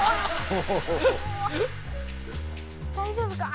大丈夫か？